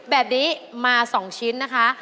แบบนี้มา๒ชิ้นนะคะ